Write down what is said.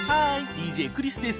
ＤＪクリスです。